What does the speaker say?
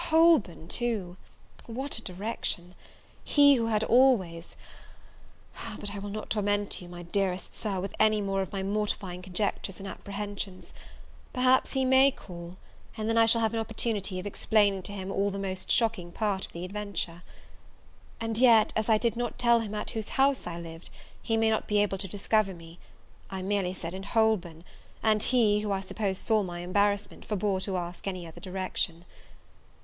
Holborn, too! what a direction! he who had always but I will not torment you, my dearest Sir, with any more of my mortifying conjectures and apprehensions: perhaps he may call, and then I shall have an opportunity of explaining to him all the most shocking part of the adventure. And yet, as I did not tell him at whose house I lived, he may not be able to discover me; I merely said in Holborn; and he, who I suppose saw my embarrassment, forbore to ask any other direction.